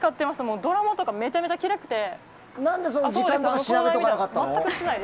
ドラマとかめちゃめちゃきれいで。